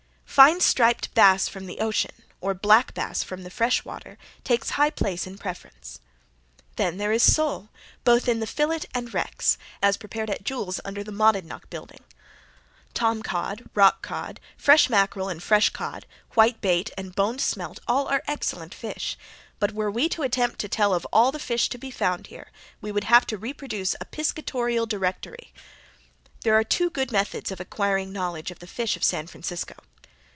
Fine striped bass from the ocean, or black bass from the fresh water takes high place in preference. Then there is sole, both in the fillet and Rex, as prepared at Jule's under the Monadnock building. Tom cod, rock cod, fresh mackerel and fresh cod, white bait and boned smelt all are excellent fish, but were we to attempt to tell of all the fish to be found here we would have to reproduce a piscatorial directory. There are two good methods of acquiring knowledge of the fish of San Francisco.